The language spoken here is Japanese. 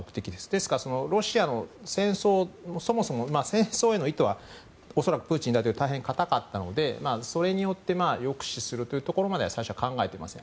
ですからロシアの戦争をそもそも戦争への意図は恐らくプーチン大統領大変堅かったのでそれによって抑止するというところまで最初は考えてません。